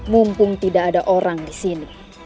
mumpung tidak ada orang disini